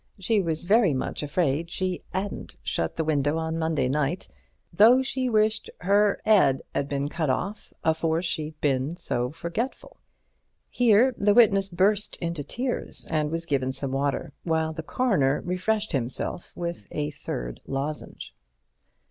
She was very much afraid she 'adn't shut the window on Monday night, though she wished her 'ead 'ad been cut off afore she'd been so forgetful. Here the witness burst into tears and was given some water, while the Coroner refreshed himself with a third lozenge.